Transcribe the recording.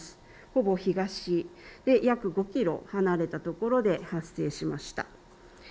ほぼ東、約５キロ離れた所で発生しました。